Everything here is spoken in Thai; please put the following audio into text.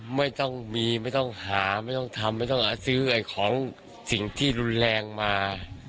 ไม่ต้องมีไม่ต้องหาไม่ต้องทำ